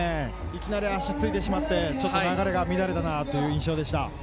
いきなり足を着いてしまって、流れが乱れたという印象でした。